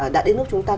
đã đến lúc chúng ta